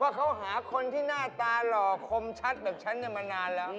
เขาหาคนที่หน้าตาหล่อคมชัดแบบฉันมานานแล้ว